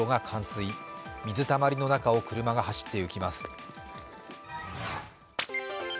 水たまりの中を車が走っていきます。